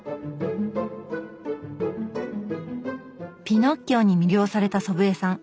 ピノッキオに魅了された祖父江さん。